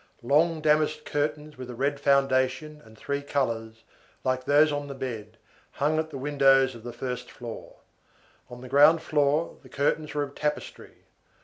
Long damask curtains with a red foundation and three colors, like those on the bed, hung at the windows of the first floor. On the ground floor, the curtains were of tapestry.